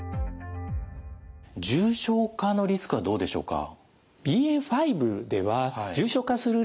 重症化のリスクはどうでしょうか？